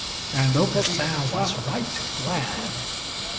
And Aucassin was right glad.